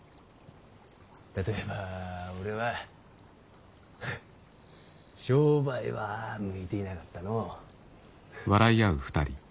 例えば俺は商売は向いていなかったのう。